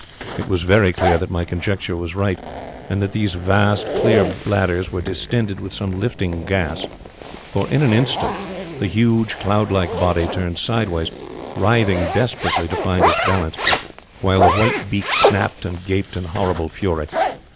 It was very clear that my conjecture was right, and that these vast, clear bladders were distended with some lifting gas, for in an instant the huge, cloud like body turned sideways, writhing desperately to find its balance, while the white beak snapped and gaped in horrible fury.